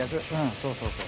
そうそうそうそう。